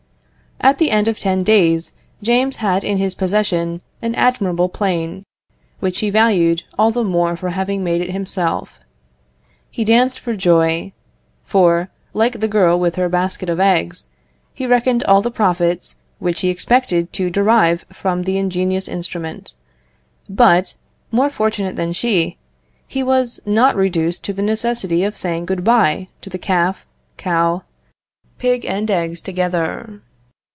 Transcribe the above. At the end of ten days, James had in his possession an admirable plane, which he valued all the more for having made it himself. He danced for joy, for, like the girl with her basket of eggs, he reckoned all the profits which he expected to derive from the ingenious instrument; but, more fortunate than she, he was not reduced to the necessity of saying good bye to calf, cow, pig, and eggs, together.